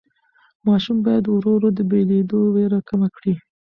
ماشوم باید ورو ورو د بېلېدو وېره کمه کړي.